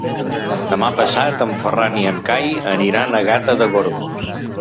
Demà passat en Ferran i en Cai aniran a Gata de Gorgos.